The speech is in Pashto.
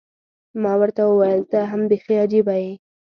ما ورته وویل، ته هم بیخي عجيبه یې.